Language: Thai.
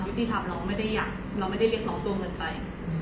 ยุติธรรมเราไม่ได้อยากเราไม่ได้เรียกร้องตัวเงินไป